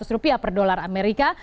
rp satu tiga ratus per dolar amerika